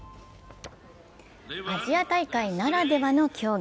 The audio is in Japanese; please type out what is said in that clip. アジア大会ならではの競技。